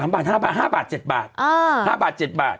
๓บาท๕บาท๗บาท